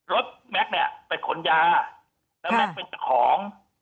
รถแม็กซ์เนี้ยเป็นขนยาค่ะแล้วแม็กซ์เป็นตัวของ